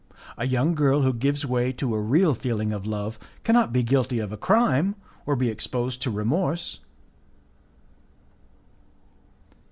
A young girl who gives way to a real feeling of love cannot be guilty of a crime, or be exposed to remorse.